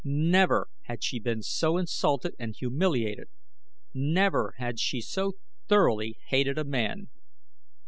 Never had she been so insulted and humiliated. Never had she so thoroughly hated a man.